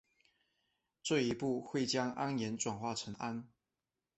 这一步会将铵盐转化成氨。